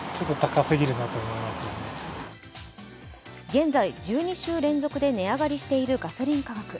現在、１２週連続で値上がりしているガソリン価格。